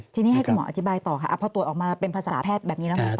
ทีนี้ให้คุณหมออธิบายต่อค่ะพอตรวจออกมาเป็นภาษาแพทย์แบบนี้แล้วค่ะ